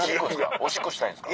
おしっこしたいんですか？